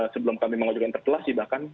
sebelum kami mengajukan interpelasi bahkan